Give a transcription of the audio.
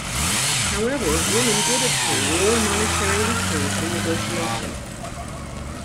However, women did obtain lower monetary returns from negotiation.